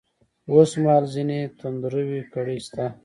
اوس مـهال ځــينې تـنـدروې کـړۍ شـتـه.